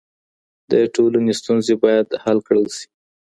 د ټولني ستونزي باید حل کړای سي.